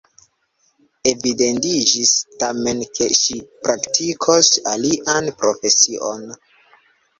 Evidentiĝis, tamen, ke ŝi praktikos alian profesion.